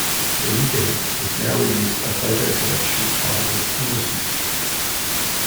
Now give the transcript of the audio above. Koike has now released a photo collection titled Innocence.